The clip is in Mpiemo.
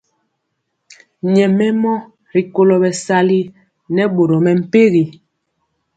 Nyɛmemɔ rikolo bɛsali nɛ boro mɛmpegi.